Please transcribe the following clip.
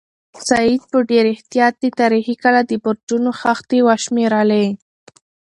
سعید په ډېر احتیاط د تاریخي کلا د برجونو خښتې وشمېرلې.